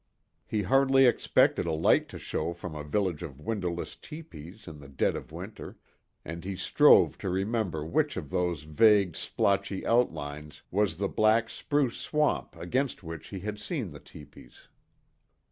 He hardly expected a light to show from a village of windowless tepees in the dead of winter, and he strove to remember which of those vague splotchy outlines was the black spruce swamp against which he had seen the tepees.